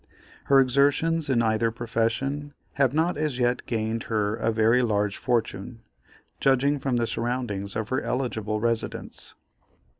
Her exertions in either profession have not as yet gained her a very large fortune, judging from the surroundings of her eligible residence.